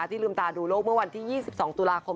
ลืมตาดูโลกเมื่อวันที่๒๒ตุลาคม